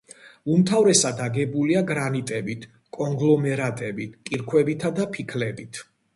უმთავრესად აგებულია გრანიტებით, კონგლომერატებით, კირქვებითა და ფიქლებით.